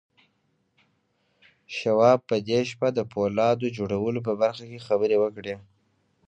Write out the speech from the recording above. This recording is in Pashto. شواب په دې شپه د پولاد جوړولو په برخه کې خبرې وکړې.